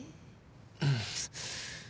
うん。